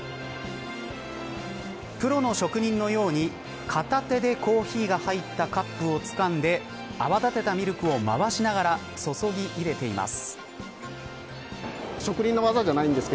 プロの職人のように片手でコーヒーが入ったカップをつかんで泡立てたミルクを回しながら注ぎ入れています。